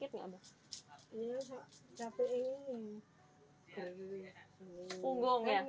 itu siapa yang dirasa kalau capek ada sakit nggak mbah